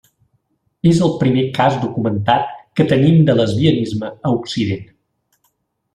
És el primer cas documentat que tenim de lesbianisme a occident.